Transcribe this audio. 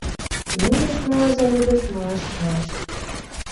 Нуно смола заводыш малаш кайышт.